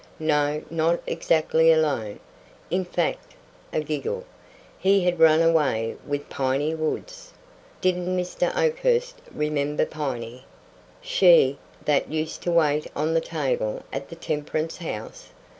No, not exactly alone; in fact (a giggle), he had run away with Piney Woods. Didn't Mr. Oakhurst remember Piney? She that used to wait on the table at the Temperance House?